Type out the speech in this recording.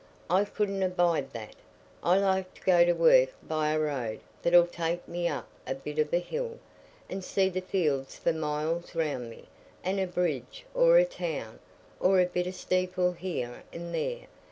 I couldn't abide that. I like to go to work by a road that'll take me up a bit of a hill, and see the fields for miles round me, and a bridge, or a town, or a bit of a steeple here and there.